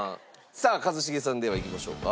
さあ一茂さんではいきましょうか。